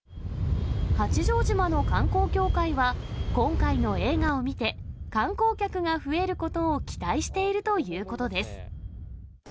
八丈島の観光協会は、今回の映画を見て、観光客が増えることを期待しているということです。